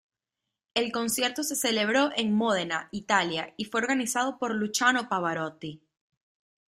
El concierto se celebró en Módena, Italia y fue organizado por Luciano Pavarotti.